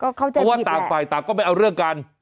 เพราะว่าต่างฝ่ายต่างก็ไม่เอาเรื่องกัน